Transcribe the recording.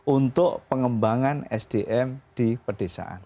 untuk pengembangan sdm di pedesaan